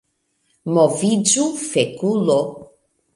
Moviĝu fekulo